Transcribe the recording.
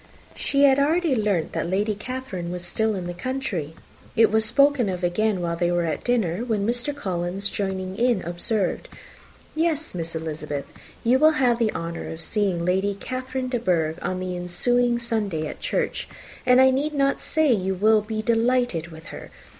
She had already learnt that Lady Catherine was still in the country. It was spoken of again while they were at dinner, when Mr. Collins joining in, observed, "Yes, Miss Elizabeth, you will have the honour of seeing Lady Catherine de Bourgh on the ensuing Sunday at church, and I need not say you will be delighted with her.